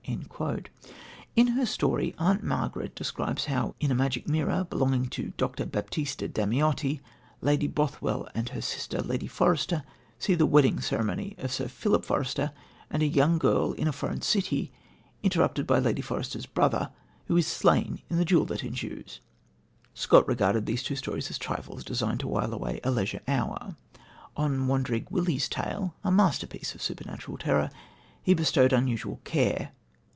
" In her story "Aunt Margaret" describes how, in a magic mirror belonging to Dr. Baptista Damiotti, Lady Bothwell and her sister Lady Forester see the wedding ceremony of Sir Philip Forester and a young girl in a foreign city interrupted by Lady Forester's brother, who is slain in the duel that ensues. Scott regarded these two stories as trifles designed to while away a leisure hour. On Wandering Willie's Tale a masterpiece of supernatural terror he bestowed unusual care.